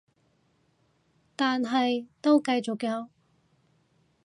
但係都繼續有